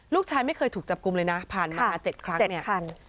ลูกชายไม่เคยถูกจับกลุ่มเลยนะผ่านมา๗ครั้งเนี่ย